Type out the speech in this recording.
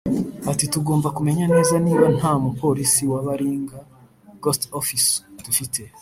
Ati “Tugomba kumenya neza niba nta mupolisi wa baringa (ghost officer) dufite